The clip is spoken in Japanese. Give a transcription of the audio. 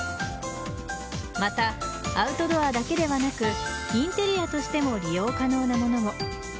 また、アウトドアだけではなくインテリアとしても利用可能なものも。